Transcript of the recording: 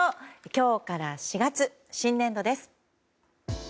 今日から４月、新年度です。